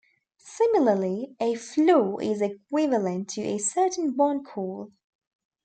Similarly a floor is equivalent to a certain bond call.